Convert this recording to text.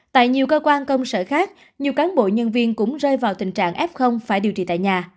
tại nhiều cơ quan công sở khác nhiều cán bộ nhân viên cũng rơi vào tình trạng f phải điều trị tại nhà